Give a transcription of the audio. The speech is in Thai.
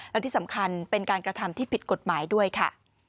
และที่สำคัญเป็นการกระทำที่ผิดกฎหมายด้วยค่ะ